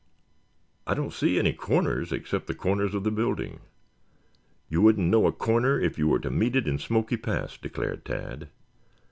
"I don't see any corners except the corners of the building." "You wouldn't know a corner if you were to meet it in Smoky Pass," declared Tad.